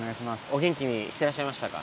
お元気にしてらっしゃいましたか？